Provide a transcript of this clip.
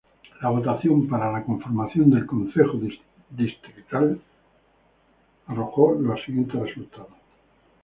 La votación para la conformación del Concejo Distrital arrojó los siguientes resultados